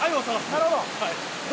なるほど。